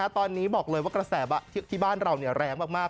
ตอนนี้บอกเลยว่ากระแสที่บ้านเราแรงมาก